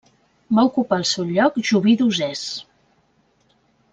Va ocupar el seu lloc Joví d'Usès.